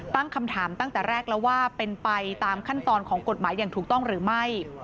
ตั้งคำถามตั้งแต่แรกแล้วว่าเป็นไปตามขั้นตอนของกฎหมายอย่างถูกต้องหรือไม่